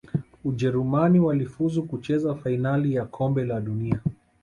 Ujerumani walifuzu kucheza fainali ya kombe la dunia